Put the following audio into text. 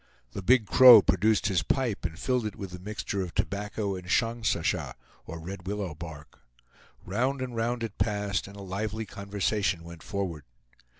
The Big Crow produced his pipe and filled it with the mixture of tobacco and shongsasha, or red willow bark. Round and round it passed, and a lively conversation went forward.